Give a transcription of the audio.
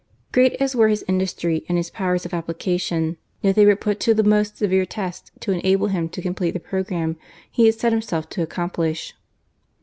Great as were his industry and his powers of application, yet they were put to the most severe tests to enable him to complete the programme he had set himself to accomplish.